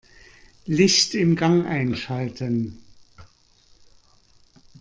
Licht im Gang einschalten.